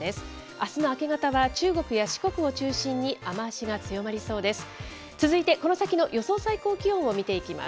あすの明け方は中国や四国を中心に、雨足が強まりそうです。